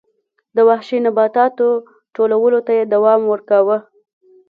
د وحشي نباتاتو ټولولو ته یې دوام ورکاوه